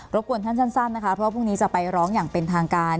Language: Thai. กวนท่านสั้นนะคะเพราะว่าพรุ่งนี้จะไปร้องอย่างเป็นทางการ